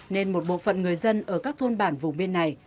nên một bộ phận người dân ở các thôn bản vùng bên này